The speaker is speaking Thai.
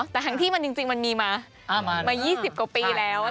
แต่ทั้งที่มันจริงมันมีมา๒๐กว่าปีแล้ว